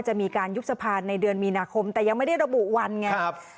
จะมีการยุบสะพานในเดือนมีนาคมแต่ยังไม่ได้ระบุวันไง